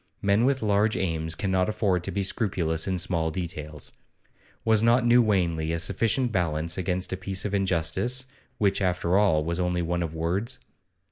Men with large aims cannot afford to be scrupulous in small details. Was not New Wanley a sufficient balance against a piece of injustice, which, after all, was only one of words?